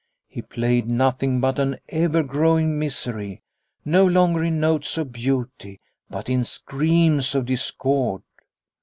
He played nothing but an ever growing misery, no longer in notes of beauty, but in screams of discord.